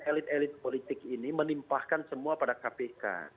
elit elit politik ini menimpahkan semua pada kpk